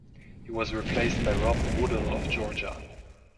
He was replaced by Rob Woodall of Georgia.